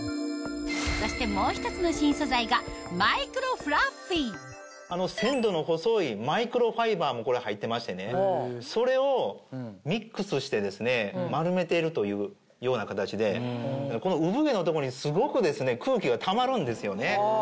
そしてもう１つの新素材が繊度の細いマイクロファイバーも入ってましてそれをミックスして丸めてるというような形でこの産毛のとこにすごく空気がたまるんですよね。